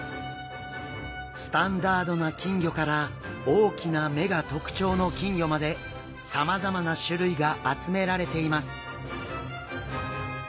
スタンダードな金魚から大きな目が特徴の金魚までさまざまな種類が集められています。